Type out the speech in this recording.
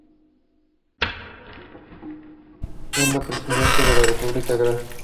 Siendo presidente de la República el Gral.